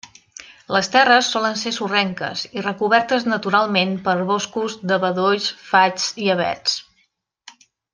Les terres solen ser sorrenques i recobertes naturalment per boscos de bedolls, faigs i avets.